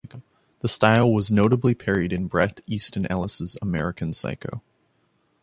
The style was notably parodied in Bret Easton Ellis' "American Psycho".